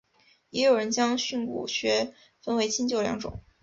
也有人将训诂学分为新旧两种。